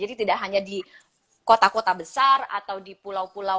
jadi tidak hanya di kota kota besar atau di pulau pulau